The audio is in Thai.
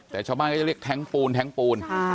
แต่ชาวบ้านก็จะเรียกแท้งพูน